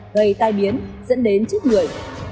gây tai biến dẫn đến chết người